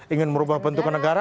ingin merubah bentuk negara